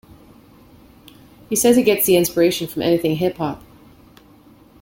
He says he gets inspiration from anything hip-hop.